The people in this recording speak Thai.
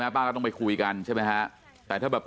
ป้าก็ลองไปคุยกันว่า